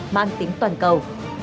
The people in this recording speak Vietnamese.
mang tính toàn cầu